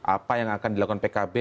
apa yang akan dilakukan pkb